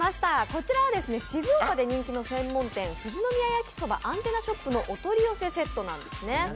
こちらは静岡で人気の専門店富士宮やきそばアンテナショップのお取り寄せセットなんですね。